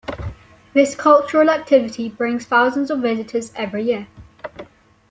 This cultural activity brings thousand of visitors every year.